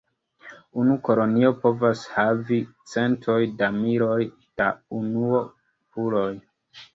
Unu kolonio povas havi centojn da miloj da unuopuloj.